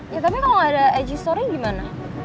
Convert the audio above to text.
yah tapi kalo gak ada ig story gimana